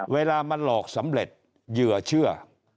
เวลามันหลอกสำเร็จเหยื่อเชื่อ